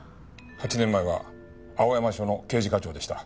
８年前は青山署の刑事課長でした。